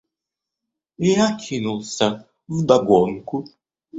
Я кинулся вдогонку.